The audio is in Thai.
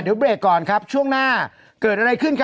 เดี๋ยวเบรกก่อนครับช่วงหน้าเกิดอะไรขึ้นครับ